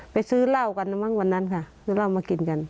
ซื้อเหล้ากันนะมั้งวันนั้นค่ะซื้อเหล้ามากินกัน